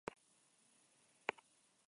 Ez dut bat ere argi.